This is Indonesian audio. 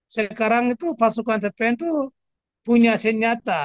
sekarang itu pasukan tpn itu punya senjata